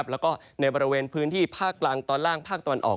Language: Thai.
แล้วก็ในบริเวณพื้นที่ภาคกลางตอนล่างภาคตะวันออก